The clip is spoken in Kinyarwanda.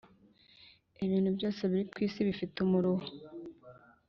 ibintu byose birikwisi bifite umuruho